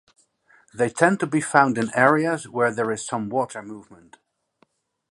They tend to be found in areas where there is some water movement.